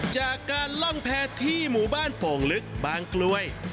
จากการล่องแพ้ที่หมู่บ้านโป่งลึกบางกลวย